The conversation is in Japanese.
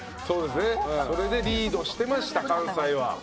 それでリードしてました関西は。